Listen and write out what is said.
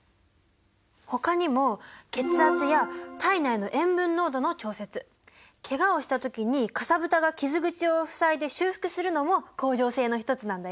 ほかにも血圧や体内の塩分濃度の調節ケガをしたときにかさぶたが傷口をふさいで修復するのも恒常性の一つなんだよ。